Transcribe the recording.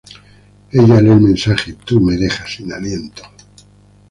Ella lee el mensaje: "Tu me dejas sin aliento".